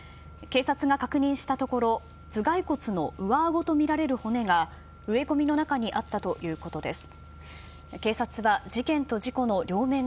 警察が確認したところ頭蓋骨の上あごとみられる骨が植え込みの中にあったということです。